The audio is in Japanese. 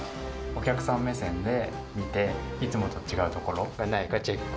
お客さん目線で見て、いつもと違うところがないか、チェック。